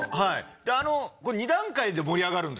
でこれ２段階で盛り上がるんです。